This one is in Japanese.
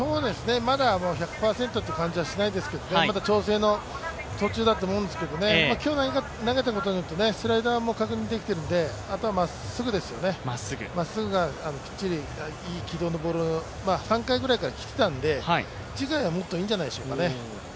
まだ１００％という感じはしないですけど調整の途中だと思うんですけど、今日投げたことによってスライダーも確認できているのであとはまっすぐがきっちりいい軌道のボールを、３回ぐらいからきてたんで、次回はもっといいんじゃないでしょうかね。